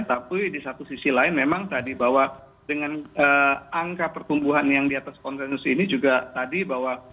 tapi di satu sisi lain memang tadi bahwa dengan angka pertumbuhan yang di atas konsensus ini juga tadi bahwa